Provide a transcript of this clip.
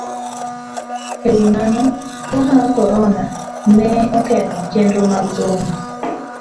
E wi mano, tuwo mar Corona ne oketho chenro mag somo